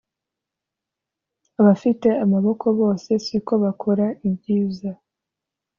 abafite amaboko bose siko bakora ibyiza